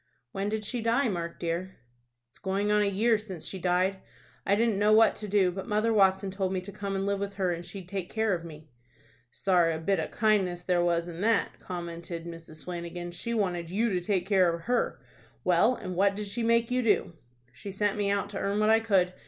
"When did she die, Mark dear?" "It's going on a year since she died. I didn't know what to do, but Mother Watson told me to come and live with her, and she'd take care of me." "Sorra a bit of kindness there was in that," commented Mrs. Flanagan. "She wanted you to take care of her. Well, and what did she make you do?" "She sent me out to earn what I could.